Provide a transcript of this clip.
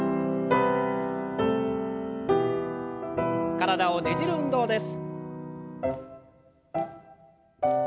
体をねじる運動です。